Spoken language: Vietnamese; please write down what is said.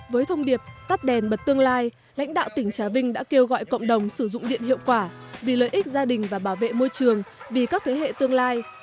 với thông điệp tắt đèn bật tương lai lãnh đạo tỉnh trà vinh đã kêu gọi cộng đồng sử dụng điện hiệu quả vì lợi ích gia đình và bảo vệ môi trường vì các thế hệ tương lai